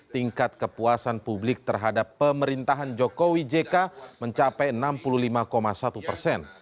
tingkat kepuasan publik terhadap pemerintahan jokowi jk mencapai enam puluh lima satu persen